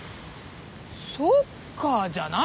「そっか」じゃないですよ。